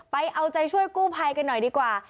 ไปเอาใจช่วยกู้ภัยกันหน่อยดีกว่า